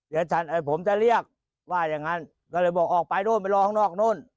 เดี๋ยวผมจะเรียกว่าอย่างนั้นก็เลยบอกออกไปนู่นไปรอข้างนอกโน่น